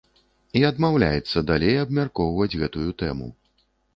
І адмаўляецца далей абмяркоўваць гэтую тэму.